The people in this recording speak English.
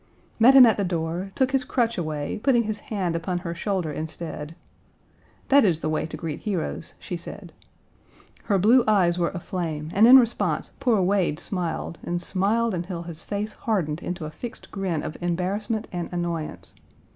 "met him at the door, took his crutch away, putting his hand upon her shoulder instead. "That is the way to greet heroes," she said. Her blue eyes were aflame, and in response poor Wade smiled, and smiled until his face hardened into a fixed grin of embarrassment and annoyance.